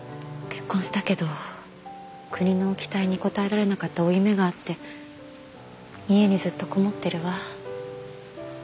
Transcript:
結婚したけど国の期待に応えられなかった負い目があって家にずっとこもってるわ。